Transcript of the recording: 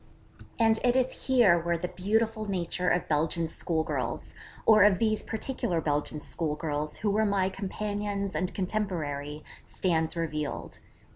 And it is here where the beautiful nature of Belgian schoolgirls, or of these particular Belgian schoolgirls who were my companions and contemporaries, stands revealed.